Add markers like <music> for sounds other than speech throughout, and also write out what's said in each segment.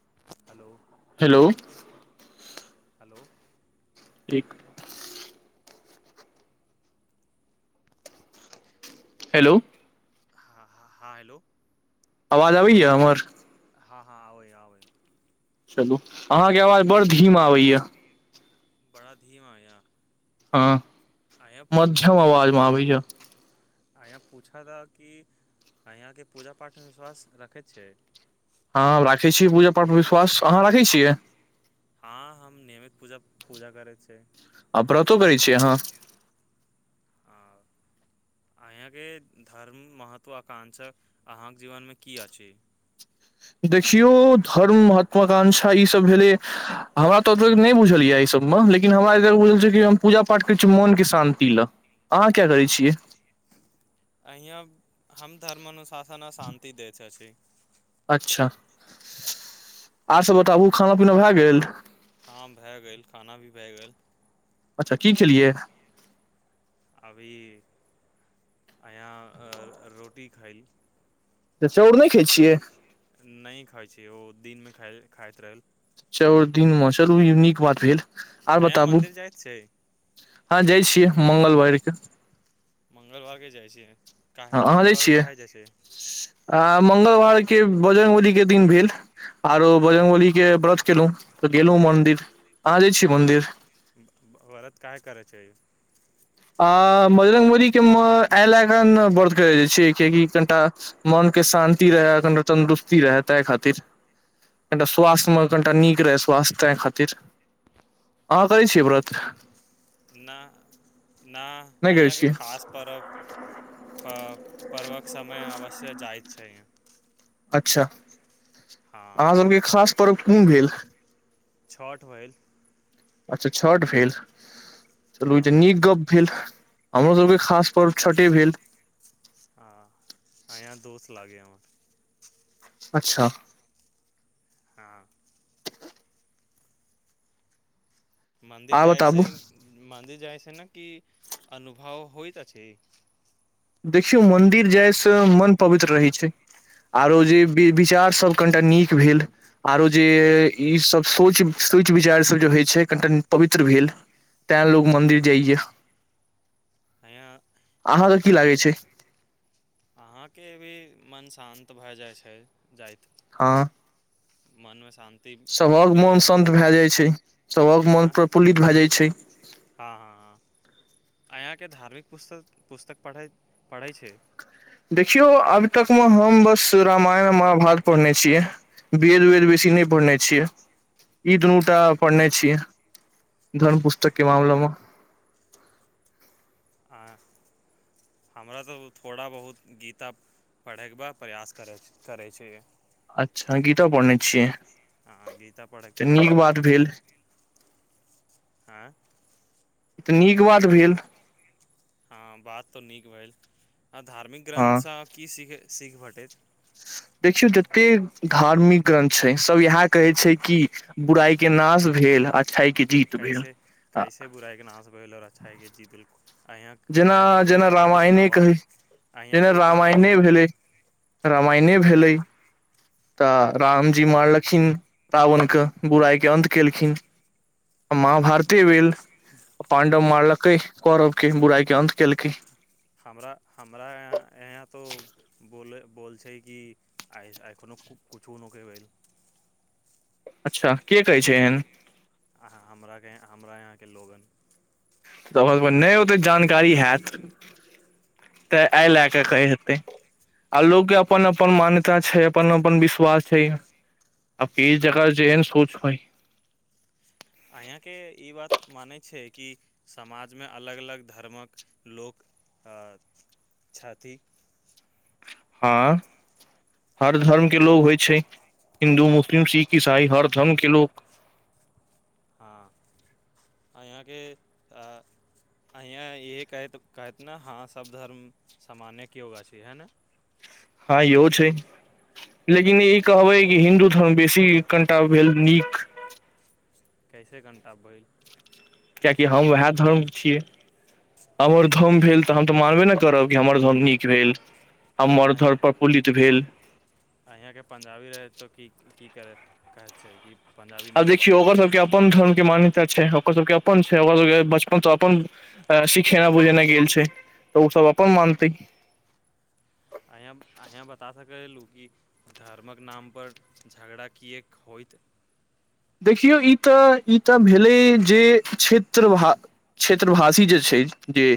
<inaudible> hello <inaudible> एक hello हँ हँ हेलो आवाज आबै या हमर हँ हँ आबै आबै चलू अहाँके आवाज बड़ धीमा आबै या बड़ा धीमा या हँ अहाँ मध्यम अवाजमे आबै या आंय पूछऽ त कि अंयाके पूजा पाठमे विश्वास राखै छै हँ राखै छियै पूजा पाठ विश्वास अहाँ राखै छियै हँ हम नियमित पूजा पूजा करै छियै आ व्रतो करै छियै अहाँ हँ अहाँके धर्म महत्व आकांक्षा अहाँके जीवनमे किया छै देखियौ धर्म महात्वाकांक्षा ईसभ भेलै हमरा तऽ एते नहि बुझल या एहिसभमे लेकिन हमरा एते बुझल छै कि हम पूजा पाठ करैत छी मोनके शांति ला अहाँ किया करै छियै अहिया हम धर्म अनुसाथ त शान्ति दैत अछि अच्छा आर सब बताबू खाना पीना भए गेल हँ भए गेल खाना भी भए गेल अच्छा की खेलिए अभी यहाँ रोटी खैय तऽ चाउर नहि खाइ छियै नहि खाइत छियै ओ दिनमे खा खाइत रहल चाउर दिन मे चलू ई नीक बात भेल आर अंया बताबू मंन्दिर जाइत छै हँ जाइ छियै मङ्गलवार के मंगलवार के जाइ छी काहे हँ अहाँ जाइ मंगलवारके छियै काहे जाइ छै आ मंगलवार के बजरङंगगबली के दिन भेल आरो बजरङ्गबली के व्रत केलहुँ तऽ गेलहुं मंदिर अहाँ जाइ छियै मंन्दिर व्रत काहे करै छै आं बजरङ्बलीके एहि लए कऽ ने व्रत करै छियै किएकि कनि टा मनके शान्ति रहाय कनिटा तन्दुरुस्ती रहए ताहि खातिर कनि टा स्वास्थ्यमे कनिटा नीक रहय स्वास्थ्य ताहि खातिर अहाँ करै छियै व्रत नहि ना अंया करै के छियै खास पर्व पर्वक समय अवश्य जाइत छै अच्छा हँ अहाँ सभ के खास पर्व कोन भेल छठ भेल अच्छा छठ भेल हँ चलू इ त नीक गप भेल हमरो सभकें हँ खास पर्व छठे भेल हँ अंया दोस्त लागे हमर अच्छा हँ मन्दिर आ जाइ बताबू छिहीं मन्दिर जाइ छै से न की अनुभव होइत अछि देखियौ मन्दिर जायसँ मन पवित्र रहै छै आरो जे वि विचारसभ कनिटा नीक भेल आरो जे ईसभ सोच सोच विचारसभ जे होइ छै कनिटा पवित्र भेल तैं लोक मन्दिर जाइया यहाँ अह अहाँके छै अहाँके भी मन शान्त भए जाइत छै जाइत हँ मन सभक मन शान्त भए जाइ छै सभक हँ मोन प्रफुल्लित भए जाइत छै हँ हँ हँ अयाँके धार्मिक पुस्तक पुस्तक पढ़ै पढ़ै छै देखियौ आब तकमे हम बस रामायण महाभारत पढ़ने छियै वेद वेद बेसी नहि पढ़ने छियै ई दुनू टा पढ़ने छियै धर्म पुस्तकके मामलेमे आँ हमरा तऽ थोड़ा बहुत गीता पढ़ैक बा प्रयास करैत करै छी अच्छा गीता पढ़ने छियै हँ गीता पढ़ैके तऽ प्रयास नीक करै बात छै भेल आँय ई तऽ नीक बात भेल हँ बात तऽ नीक भेल आ धार्मिक हँ ग्रन्थसँ अहाँ की सीखै सीख भटैत देखियौ जते धार्मिक ग्रन्थ छै सभ इएह कहै छै कि बुराइ के नाश भेल आ कैसे कैसे बुराइके नाश भेल आओर अच्छाई कें जीत भेल जेना जेना रामायणे कहै अहाँ जेना कोइ कहानी रामायणे भेलै सुनाबऽ रामायणे भेलै तऽ रामजी मारलखिन रावणके बुराइके अन्त केलखिन आ महभारते भेल आ पाडव मारलक कै कौरव कें बुराई हँ हमरा हमरा अंया अंया तो बोले बोल छै <unintelligible> किइ एखनो कुछु न के भेल <unintelligible> अच्छा के कहै छै एहन अहाँ हमराके हमरा यहाँ के लोगन त नहि ओतेक जानकारी हैत तऽ एहि लए कऽ कहै हेतै आ लोकके अपन अपन मान्यता छै अपन अपन विश्वास छै आ फेर जकर जेहन सोच होय अंया के ई बात मानै छै कि समाजमे अलग अलग धर्मक लोक अ छथि हँ हर धर्मके लोक होइ छै हिन्दू मुस्लिम सिख ईसाई हर धर्मके लोक हँ अंया के अंया इह कहैत कहत ने हँ सभ धर्म समाने एगो अछि हए ने हँ इहो छै लेकिन ई कहबै कि हिन्दू धर्म बेसी कनिटा भेल नीक कैसे कनिटा भैल कियाकि हम उएह धर्म छियै हमर धर्म भेल तऽ हम तऽ मानबे न करब कि हमर धर्म नीक भेल हमर अंया धर्म प्रफुल्लित भेल अंया के पंजाबी रहै त की की कर कहै छै कि पंजाबी आब नीक देखियौ बाडू ओकर सबके अपन धर्म के मान- त छै ओकर सबके अपन छै ओकर सभके बचपनसँ अपन सिखेनाइ बुझेनाय गेल छै तऽ ओसभ अपन मानतै अंय अंहीं बता सकलू कि धर्मक नाम पर झगड़ा कियाक होइत देखियौ ई तऽ ई तऽ भेलै जे क्षेत्र भा क्षेत्रभाषी जे छै जे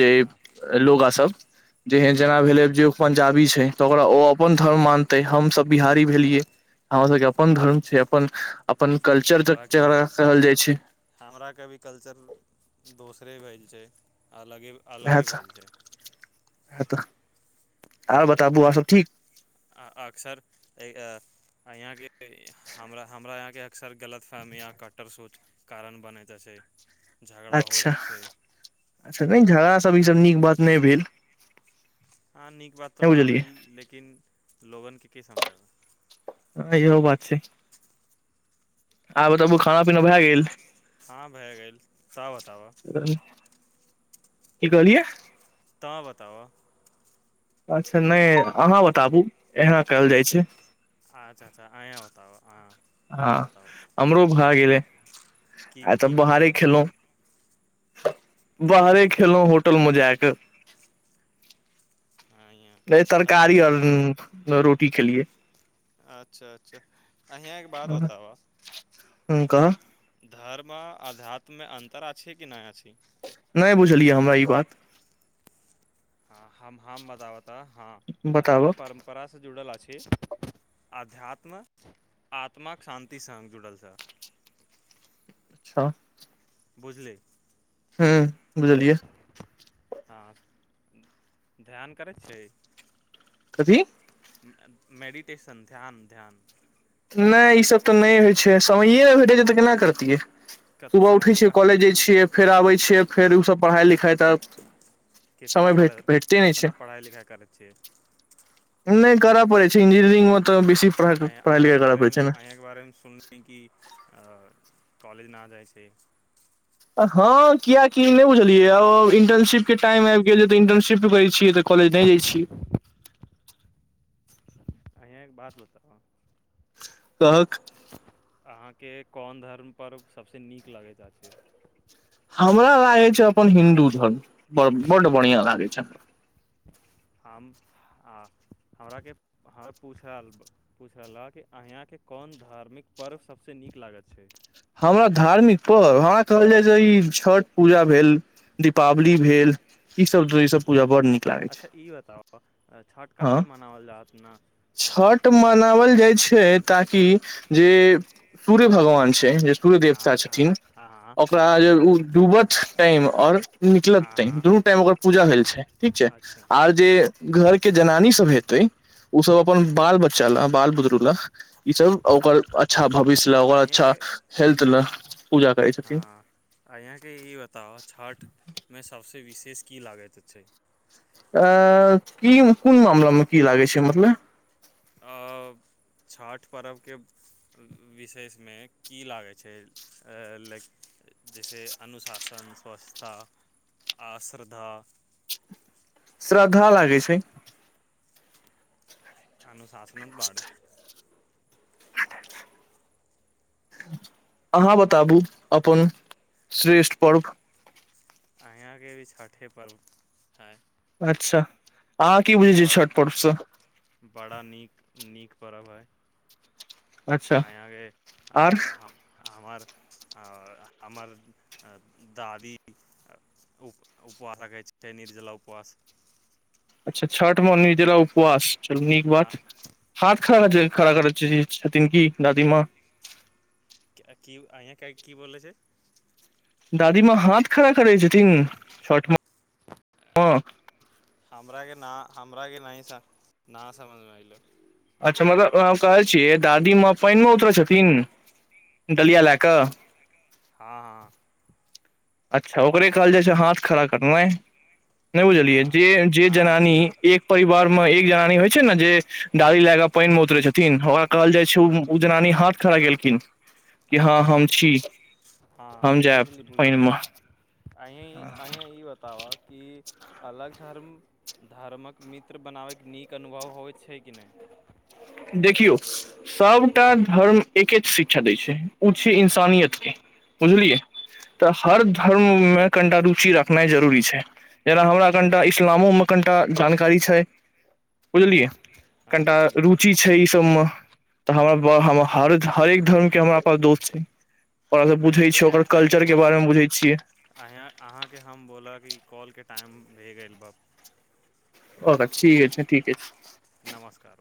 जे हँ लोग आ सब जेहन जेना ह भेलै जे पंजाबी छै तऽ ओकरा ओ अपन धर्म मानतै हमसभ बिहारी भेलियै हमर सभके अपन धर्म छै अपन अपन कल्चर तक हमराके भी जकरा कहल जाइ छै हमराके भी कल्चर दोसरे भेल छै अलगे अलगे भेल छै ओहा त एकटा आ अक्सर ए -अ अंया के ए -हमरा हमरा यहाँ के अकसर गलतफहमियां कटर सोच कारण बनै त छै झगड़ा अच्छा होइत छै अच्छा नहि झगड़ा सब ई सब नीक बात नहि भेल <unintelligible> हँ नीक बात तऽ नहि न बुझलियै भेल लेकिन लोगन के की समझाउ हँ इहो बात छै आब बताबु खाना पीना भए गेल हँ भए गेल तं बताब की कहलियै तं बताब अच्छा नहि अहाँ बताबू एना कहल जाइत छै अच्छा अच्छा अंय बताब आं अहाँ हँ बताब हमरो भए गेलै की आ तऽ की बाहरे खैयली खेलहुँ बाहरे खेलहुँ होटलमे जायक <unintelligible> अ नहि तरकारी आओर रं -रो- टीे खैलिए अच्छा अच्छा अंहाँंके बात ह बताब कह धर्म अध्यात्ममे अन्तर अछि कि नहि अछि नहि बुझलियै हमरा ई बात ह-हम हम बताबत तऽ हँ बताबऽ धर्म परम्परा स जुड़ल अछि अध्यात्म आत्माकाक शान्ति सङ जुड़ल छ अच्छा बुझले हूँ बुझलियै हँ ध्यान करै छियै कथी मेडिटेशन ध्यान ध्यान नहि ईसभ तऽ नहि होइ छै समये नहि भेटै छै तऽ केना करतियै क सुबह उठै समय छियै कहाँ कॉलेज जा छियै फेर आबबै छियै फेर उ सब पढ़ाई लिखाई कितना पढ़ भेटते नहि छै कितना पढ़ाइ लिखाइ करै छियै <unintelligible> नहि करऽ परै छै इंजीनियरिंग मे तऽ बेसी पढ़ाइ लिखाइ अ-आयाँके करय पड़ै बारेमे छै ने आयाँके बारेमे सुनली कि अ - कॉलेज ना जाइ छी हँ कियकि नहि बुझलियै अ -इन्टर्नशिपके टाइम आबि गेल तऽ इन्टर्नशिप करै छियै तऽ कॉलेज नहि जाइ छियै अंया एक बात बताब कहक के कोन धर्म पर्व सबसँ नीक लगैत अछि हमरा लागै छै अपन हिन्दू धर्म ब -बड्ड बढ़िआँ लागै छै हम आ -हमराके पूछल पुछलक कि अंया के कोन धार्मिक पर्व सभसँ नीक लागैत छै हमरा धार्मिक पर्व हमरा कहल जाइ जे छै ई छठ पूजा भेल दीपावली भेल ईसभ ईसभ पूजा बड्ड नीक लागै छै अच्छा ई बताउ अ, छठ हँ काहे लए मनाओल जात ने छठ मनावल जाइ छै ताकि जे सूर्य भगवान छै च <unintelligible> सूर्य हँ हँ देवता हँ छथिन हँ ओकरा हँ जे ओ डूबत टाइम आओर निकलत टाइम हँ दुनू टाइम ओकर हँ पूजा भेल छै ठीक छै अच्छा आर जे हँ घरके जनानी सब हेतै ओ सब अपन बाल बच्चा ला बाल बुदरू ला ई सब ओकर अच्छा भविष्य ला ओकर अच्छा अहीँके हेल्थ लए पूजा करै छथिन हँ अंया के ई बताव छठ मे सबसँ विशेष की लागैत छै अ अ - की कोन मामलामे की लागै छै मतलब अ - छठि पर्वके विशेषमे की लागै छै लइक जइसे अनुशासन स्वच्छता श्रद्धा श्रद्धा लागै छै अनुशासन न बारे अहाँ बताबू अपन श्रेष्ठ पर्व अंया के भी छठे पर्व हें अच्छा अहाँ की बुझै छियै बड़ा छठ पर्वसँ बड़ा नीक नीक पर्व हई अच्छा अंयाके आर आ-हम आ हमर आओर हमर दादी उप- उपवास रखै छथिन निर्जला उपवास अच्छा छठमे निर्जला उपवास चलू नीक हँ बात हाथ हँ खड़ा खड़ा करै छथिन की दादीमाँ की अंया के की बोले छै दादीमााँ हाथ खड़ा करै छथिन छठ मे हमराके न हमरा के नहि सम ना समझमे एलो अच्छा मगर हम कहै छियै दादी माँ पानि मे उतरै छथिन डलिया लए कऽ हँ हँ अच्छा ओकरे कहल जाय छै हाथ खड़ा करनाइ नहि बुझलियै हँ जे जे हँ जनानी बुझली एक परिवार म एक जनानी होइ छै ने जे डाली लय क पानि मे उतरे छथिन ओकरा कहल जाय उ जनानी हाथ खड़ा कैलखिन अच्छा अच्छा हम हँ जायब बुझली बुझ- पानि मे अं अंया ई बताब कि अलग धर्म धर्मक मित्र बनाबैके नीक अनुभव होइ छै कि नहि देखियौ सबटा धर्म एकएक शि- क्षा दै छै उ छै हँ इंसानियतके बुझलिए तऽ हर धर्ममे कनिटा रुचि रखनाइ जरूरी छै जेना हमरा कनिटा इस्लामोमे कनिटा जानकारी छै बुझलिए हँ बुझलिए ई सबमे तऽ हमरा-हरेक धर्म के हमरा पास दोस्त छै ओकरा स पुछै अहाँके छियै ओकर अहाँके कल्चर के हम बारे मे बुझै छियै कॉल के टाइम भए गेल बा ओ ठीक छै ठीके छै नमस्कार